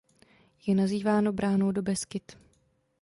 Je nazýváno bránou do Beskyd.